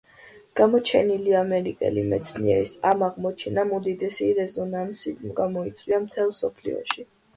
გამოჩენილი ამერიკელი მეცნიერის ამ აღმოჩენამ უდიდესი რეზონანსი გამოიწვია მთელ მსოფლიოში.